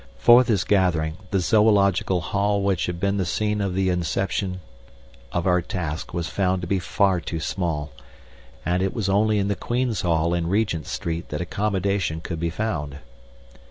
For this gathering, the Zoological Hall which had been the scene of the inception of our task was found to be far too small, and it was only in the Queen's Hall in Regent Street that accommodation could be found.